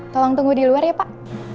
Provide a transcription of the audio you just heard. tolong tunggu di luar ya pak